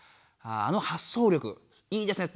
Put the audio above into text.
あの発想力いいですね。